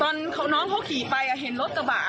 น้องเขาขี่ไปเห็นรถกระบะ